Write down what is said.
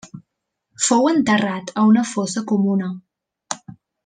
Fou enterrat a una fossa comuna.